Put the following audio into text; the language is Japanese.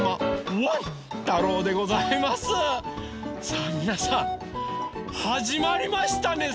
さあみなさんはじまりましたね！